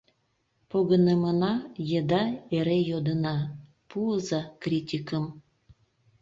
Погынымына еда эре йодына: «Пуыза критикым!